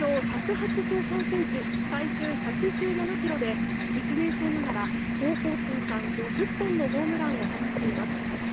身長１８３ｃｍ体重１１７ｋｇで１年生ながら高校通算５０本のホームランを放っています。